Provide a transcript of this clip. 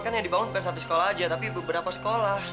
kan yang dibangun bukan satu sekolah aja tapi beberapa sekolah